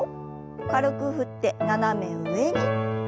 軽く振って斜め上に。